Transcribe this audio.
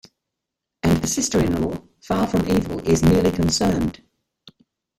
And the sister-in-law, far from evil, is merely concerned.